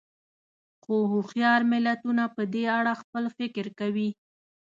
خو هوښیار ملتونه په دې اړه خپل فکر کوي.